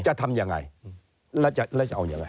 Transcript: จะทำยังไงแล้วจะเอายังไง